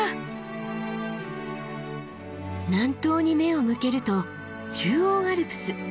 南東に目を向けると中央アルプス。